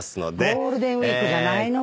ゴールデンウイークじゃないのかい！